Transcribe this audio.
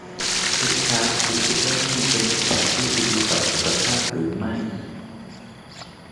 ริชาร์ดคุณคิดว่านี่เป็นสถานที่ที่ดีต่อสุขภาพหรือไม่ ?